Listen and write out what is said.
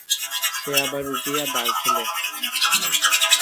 সে আবার উঠিয়া দ্বার খোলে।